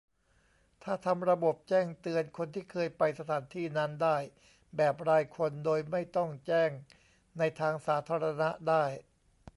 ถ้าทำระบบแจ้งเตือนคนที่เคยไปสถานที่นั้นได้ แบบรายคน โดยไม่ต้องแจ้งในทางสาธารณะได้